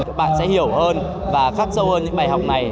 các bạn sẽ hiểu hơn và khắc sâu hơn những bài học này